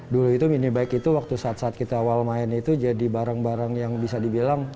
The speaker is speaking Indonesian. dulu itu minibake itu waktu saat saat kita awal main itu jadi barang barang yang bisa dibilang